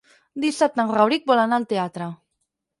Dissabte en Rauric vol anar al teatre.